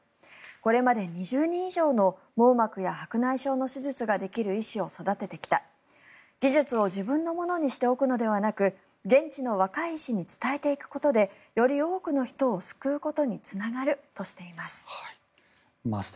これまで２０人以上の網膜や白内障の手術をできる医師を育ててきた技術を自分のものにしておくのではなく現地の若い医師に伝えていくことでより多くの人を救うことにつながるとしています。